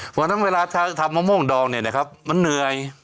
เพราะฉะนั้นเวลาทำมะม่วงดองเนี่ยนะครับมันเหนื่อย